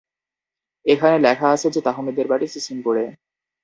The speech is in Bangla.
এখানে লেখা আছে যে তাহমিদের বাড়ি সিসিমপুরে।